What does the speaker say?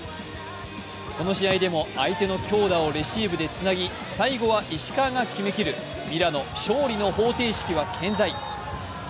この試合でも相手の強打をレシーブでつなぎ、最後は石川が決めるミラノ、勝利の方程式は健在。